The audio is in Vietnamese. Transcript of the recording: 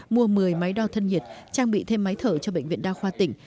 mua một mươi máy đo thân nhiệt trang bị thêm máy thở cho bệnh viện đa khoa tỉnh